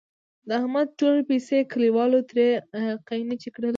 د احمد ټولې پیسې کلیوالو ترې قېنچي کړلې.